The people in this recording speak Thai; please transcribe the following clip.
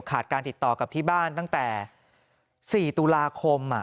การติดต่อกับที่บ้านตั้งแต่๔ตุลาคม